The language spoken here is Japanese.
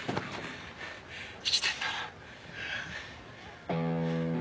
生きてんだな。